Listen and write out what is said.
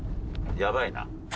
やばいな。